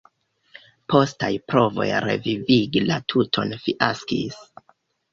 Postaj provoj revivigi la tuton fiaskis.